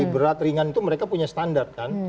berat ringan itu mereka punya standar kan